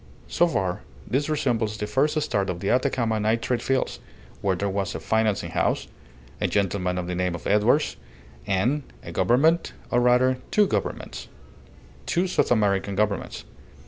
So far this resembles the first start of the Atacama nitrate fields, where there was a financing house, a gentleman of the name of Edwards, and a Government; or, rather, two Governments two South American Governments.